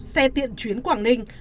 xe tiện chuyến quảng ninh